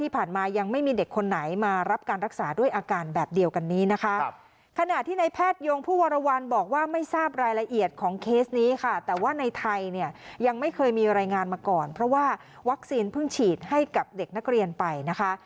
เป็นรายงานมาก่อนเพราะว่าวัคซีนเพิ่งฉีดให้กับเด็กนักเรียนไปนะคะ